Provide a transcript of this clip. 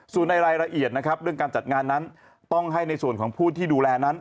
ส่วนในรายละเอียดนะครับเรื่องการจัดงานนั้นต้องให้ในส่วนของผู้ที่ดูแลนั้น